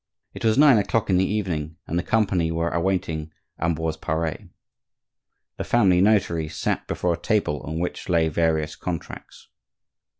It was nine o'clock in the evening and the company were awaiting Ambroise Pare. The family notary sat before a table on which lay various contracts.